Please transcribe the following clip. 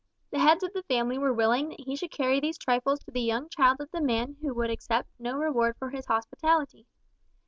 The heads of the family were willing that he should carry these trifles to the young child of the man who would accept no reward for his hospitality.